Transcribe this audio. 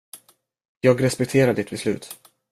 Jag respekterar ditt beslut.